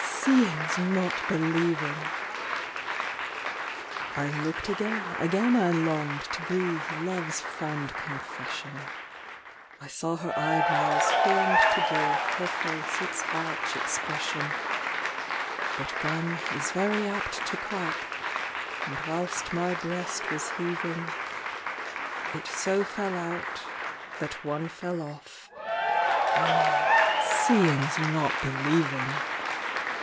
seeing's not believing! I looked again, again I longed To breathe love's fond confession I saw her eyebrows formed to give Her face its arch expression; But gum is very apt to crack, And whilst my breast was heaving, It so fell out that one fell off! Oh! seeing's not believing!